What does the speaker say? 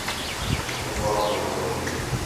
Nevalwa mori ghwa imbiri.